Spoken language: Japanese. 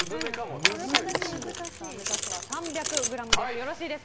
目指すは３００ｇです。